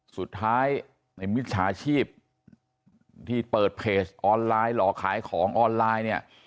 สุดท้ายในมิจฉาชีพที่เปิดเพจออนไลน์หลอกขายของออนไลน์เนี่ย